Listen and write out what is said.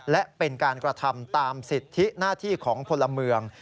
และเป็นการกระทำตามสิทธิหน้าที่ของพลเมือง